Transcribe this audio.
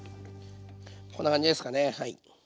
こんな感じですかねはい。